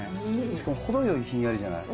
しかも程よいひんやりじゃない。